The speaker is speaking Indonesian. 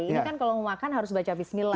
ini kan kalau mau makan harus baca bismillah